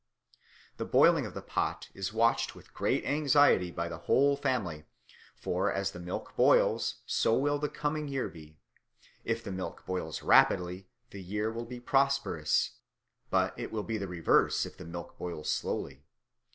The boiling of the pot is watched with great anxiety by the whole family, for as the milk boils, so will the coming year be. If the milk boils rapidly, the year will be prosperous; but it will be the reverse if the milk boils slowly.